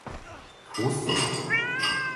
土死了！